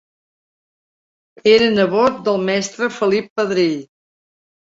Era nebot del mestre Felip Pedrell.